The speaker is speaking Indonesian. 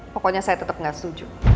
pokoknya saya tetap nggak setuju